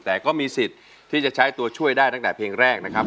แต่ก็มีสิทธิ์ที่จะใช้ตัวช่วยได้ตั้งแต่เพลงแรกนะครับ